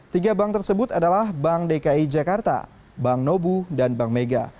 tiga bank tersebut adalah bank dki jakarta bank nobu dan bank mega